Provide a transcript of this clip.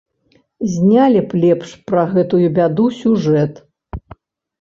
Знялі б лепш пра гэтую бяду сюжэт.